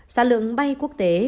sản lượng bay quốc tế